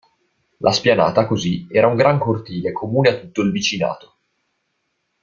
La spianata, così, era un gran cortile comune a tutto il vicinato.